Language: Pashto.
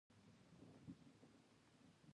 هندوکش د طبیعت د ښکلا برخه ده.